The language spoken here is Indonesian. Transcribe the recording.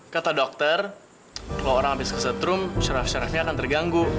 kata dokter kalau orang habis kesetrum syaraf syarafnya akan terganggu